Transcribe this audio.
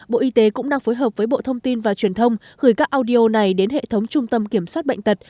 bộ y tế cũng đang phối hợp với bộ thông tin và truyền thông gửi các audio này đến hệ thống trung tâm kiểm soát bệnh tật